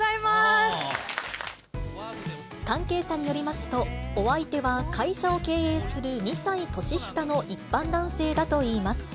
関係者によりますと、お相手は会社を経営する２歳年下の一般男性だといいます。